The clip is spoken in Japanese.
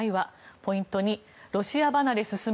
ポイント２、ロシア離れ進む